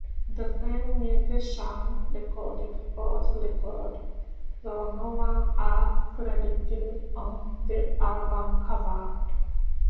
The same musicians recorded both records, though none are credited on the album cover.